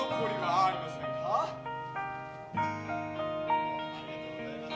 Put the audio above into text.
ありがとうございます